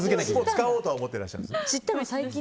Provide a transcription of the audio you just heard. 使おうとは思ってらっしゃるんですね。